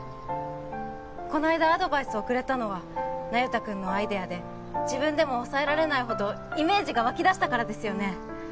この間アドバイスをくれたのは那由他君のアイデアで自分でも抑えられないほどイメージが湧き出したからですよね？